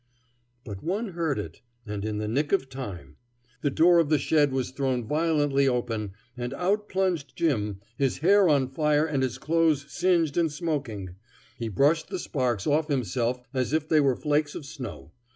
But one heard it, and in the nick of time. The door of the shed was thrown violently open, and out plunged Jim, his hair on fire and his clothes singed and smoking. He brushed the sparks off himself as if they were flakes of snow.